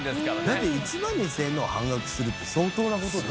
だって１万２０００円のを半額にするって相当な事ですよ。